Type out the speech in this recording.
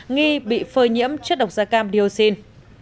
nghi bị phơi nhiễm chất độc gia cam diosin